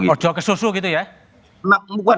oh jauh ke susu gitu ya